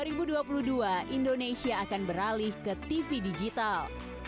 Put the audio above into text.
dua ribu dua puluh dua indonesia akan beralih ke tv digital